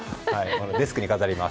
デスクに飾ります。